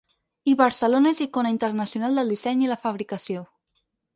I Barcelona és icona internacional del disseny i la fabricació.